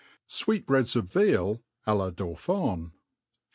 Sweetbreads of Veal a la Dauphhe.